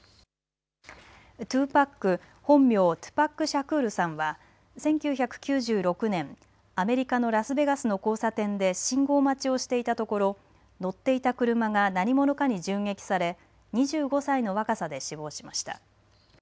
２ＰＡＣ、本名トゥパック・シャクールさんは１９９６年、アメリカのラスベガスの交差点で信号待ちをしていたところ、乗っていた車が何者かに銃撃され２５歳の若さで死亡しました。